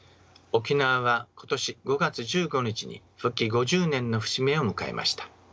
沖縄は今年５月１５日に復帰５０年の節目を迎えました。